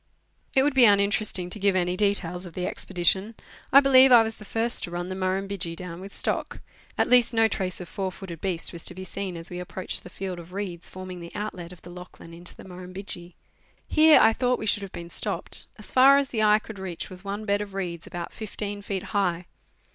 It would be uninteresting to give any detail of the expedition. I believe I was the first to run the Murrumbidgee down with stock, at least no trace of four footed beast was to be seen as we approached the field of reeds forming the outlet of the Lachlan into the Murrumbidgee. Here I thought we should have been stopped. As far as the eye could reach was one bed of reeds about 15 feet high.